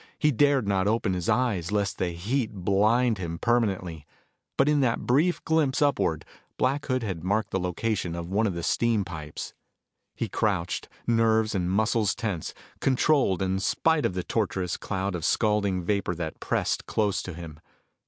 He dared not open his eyes lest the heat blind him permanently. But in that brief glimpse upward, Black Hood had marked the location of one of the steam pipes. He crouched, nerves and muscles tense, controled in spite of the torturous cloud of scalding vapor that pressed close to him.